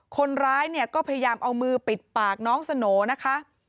คนร้ายเนี่ยก็พยายามเอามือปิดปากน้องสโหน่นะคะ